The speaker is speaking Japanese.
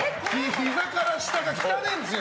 ひざから下が汚えんですよ。